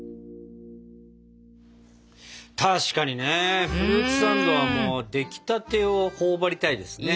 確かにねフルーツサンドはもうできたてを頬張りたいですね。